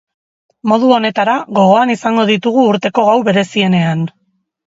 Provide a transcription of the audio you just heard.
Modu honetara, gogoan izango ditugu urteko gau berezienean.